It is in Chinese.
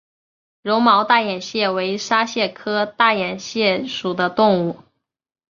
绒毛大眼蟹为沙蟹科大眼蟹属的动物。